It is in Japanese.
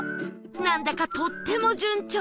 なんだかとっても順調